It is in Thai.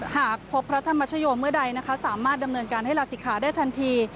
หากพบพระธรรมชโยเมื่อใดนะคะสามารถดำเนินการให้ลาศิกขาได้ทันที